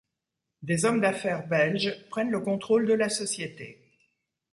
Des hommes d'affaires belges prennent le contrôle de la société.